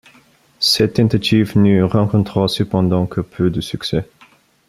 Cette tentative ne rencontra cependant que peu de succès.